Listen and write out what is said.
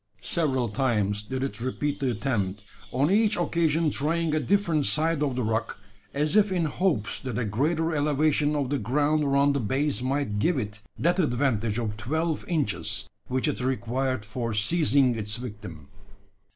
Several times did it repeat the attempt on each occasion trying a different side of the rock as if in hopes that a greater elevation of the ground around the base might give it that advantage of twelve inches which it required for seizing its victim.